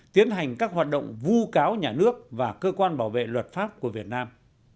tiến hành các hoạt động vu cáo nhà nước và cơ quan bảo vệ luật pháp của việt nam